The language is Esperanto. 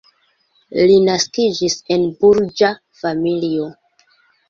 Li naskiĝis en burĝa familio.